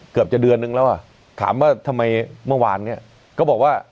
เกือบจะเดือนนึงแล้วอ่ะถามว่าทำไมเมื่อวานเนี้ยก็บอกว่า